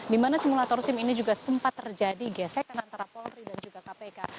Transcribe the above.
di mana simulator sim ini juga sempat terjadi gesekan antara polri dan juga kpk